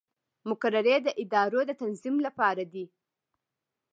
مقررې د ادارو د تنظیم لپاره دي